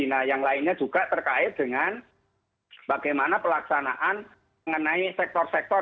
nah yang lainnya juga terkait dengan bagaimana pelaksanaan mengenai sektor sektor